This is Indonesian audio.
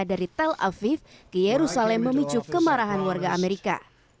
dari tel aviv ke yerusalem memicu kemarahan warga amerika